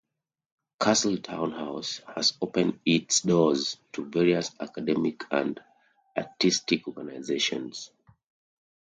Castletown House has opened its doors to various academic and artistic organisations.